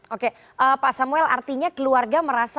oke pak samuel artinya keluarga merasa